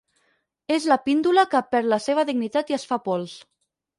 És la píndola que perd la seva dignitat i es fa pols.